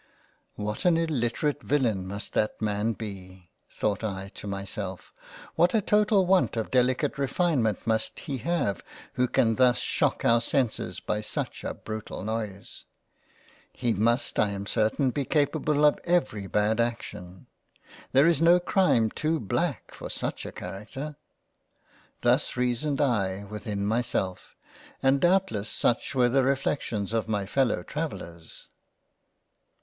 " What an illiterate villain must that man be ! (thought I to myself) What a total want of delicate refinement must he have, who can thus shock our senses by such a brutal noise ! He must I am certain be capable of every bad action ! There is no crime too black for such a Character !" Thus reasoned I within myself, and doubtless such were the reflections of my fellow travellers.